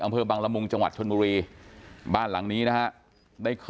อำเภอบังละมุงจังหวัดชนบุรีบ้านหลังนี้นะฮะได้เคย